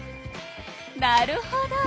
なるほど！